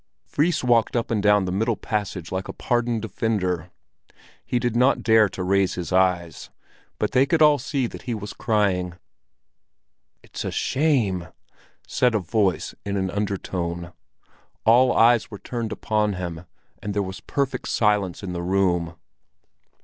Fris walked up and down the middle passage like a pardoned offender. He did not dare to raise his eyes, but they could all see that he was crying. "It's a shame!" said a voice in an undertone. All eyes were turned upon him, and there was perfect silence in the room.